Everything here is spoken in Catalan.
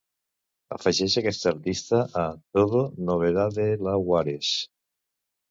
Afegeix aquest artista a TODO NOVEDADelawareS